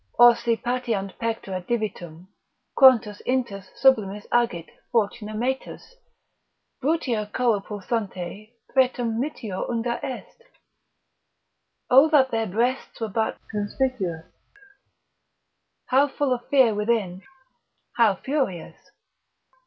O si pateant pectora divitum, Quantos intus sublimis agit Fortuna metus? Brutia Coro Pulsante fretum mitior unda est. O that their breasts were but conspicuous, How full of fear within, how furious?